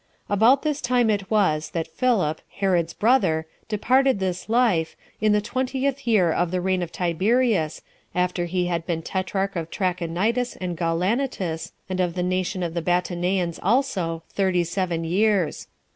6. About this time it was that Philip, Herod's brother, departed this life, in the twentieth year of the reign of Tiberius, 14 after he had been tetrarch of Trachonitis and Gaulanitis, and of the nation of the Bataneans also, thirty seven years.